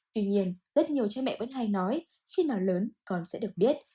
tuy nhiên rất nhiều cha mẹ vẫn hay nói khi nào lớn con sẽ được biết